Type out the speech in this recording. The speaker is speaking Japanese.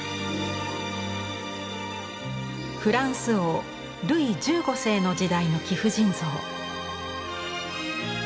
フランス王ルイ１５世の時代の貴婦人像。